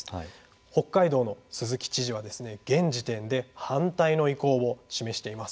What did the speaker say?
北海道の鈴木知事は現時点で反対の意向を示しています。